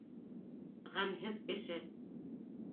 «ҒӘМҺЕҘ КЕШЕ»